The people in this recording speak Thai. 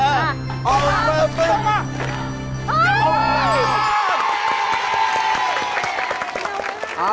เอาเฟิร์ดเฟิร์ดมา